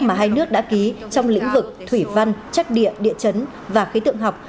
mà hai nước đã ký trong lĩnh vực thủy văn chắc địa địa chấn và khí tượng học